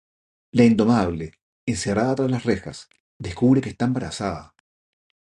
La Indomable, encerrada tras las rejas, descubre que está embarazada.